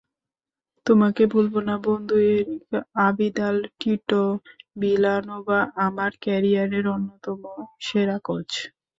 তোমাকে ভুলব না, বন্ধুএরিক আবিদাল টিটো ভিলানোভা আমার ক্যারিয়ারের অন্যতম সেরা কোচ।